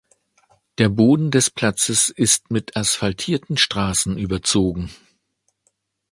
Der Boden des Platzes ist mit asphaltierten Straßen überzogen.